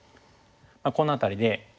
この辺りで。